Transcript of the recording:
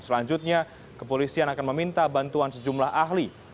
selanjutnya kepolisian akan meminta bantuan sejumlah ahli